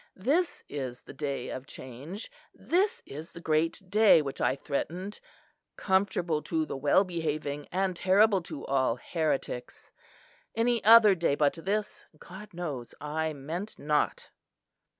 This is the day of change, this is the great day which I threatened; comfortable to the well behaving, and terrible to all heretics. Any other day but this, God knows I meant not."